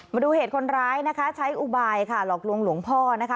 มาดูเหตุคนร้ายนะคะใช้อุบายค่ะหลอกลวงหลวงพ่อนะคะ